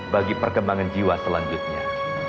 bagi perkembangan jiwa selanjutnya